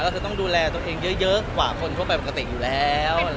ก็คือต้องดูแลตัวเองเยอะกว่าคนทั่วไปปกติอยู่แล้ว